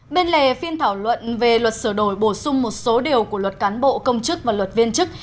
bên lề phiên thảo luận về luật sửa đổi bổ sung một số điều của luật cán bộ công chức và luật viên chức